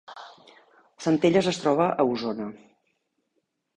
Centelles es troba a Osona